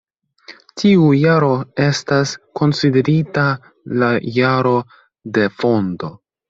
Tiu jaro estas konsiderita la jaro de fondo.